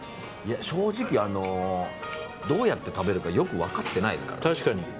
正直、どうやって食べるかよく分かってないですから。